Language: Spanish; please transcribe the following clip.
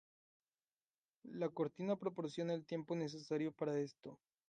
La cortina proporciona el tiempo necesario para esto.